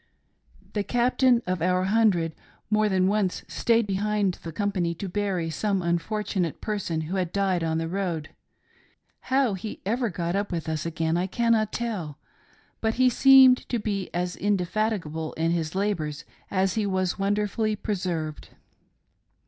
The captain of our hundred, more than once stayed behind the company to bury some unfortun ate person who died on the road : how he ever got up with us again I cannot tell, but he seemed to be as indefatigable in his labors as he was wonderfully preserved.